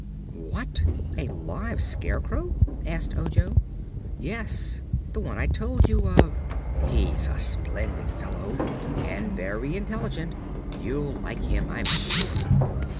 "What, a live Scarecrow?" asked Ojo. "Yes; the one I told you of. He's a splendid fellow, and very intelligent. You'll like him, I'm sure."